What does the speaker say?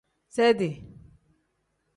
Sedi.